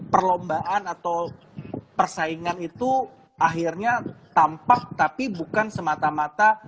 perlombaan atau persaingan itu akhirnya tampak tapi bukan semata mata